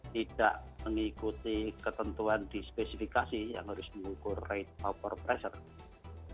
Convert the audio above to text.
tidak mengikuti ketentuan di spesifikasi yang harus mengukur rate over pressure